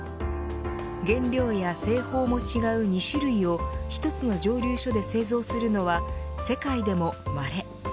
原料や製法も違う２種類を一つの蒸留所で製造するのは世界でもまれ。